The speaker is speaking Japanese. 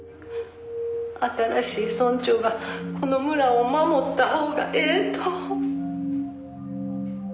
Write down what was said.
「新しい村長がこの村を守ったほうがええと」